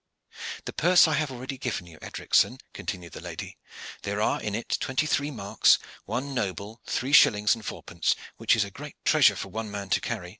"The purse I have already given you, Edricson," continued the lady. "There are in it twenty three marks, one noble, three shillings and fourpence, which is a great treasure for one man to carry.